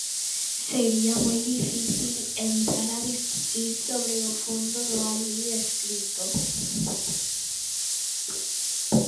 Sería moi difícil entrar a discutir sobre o fondo do alí escrito.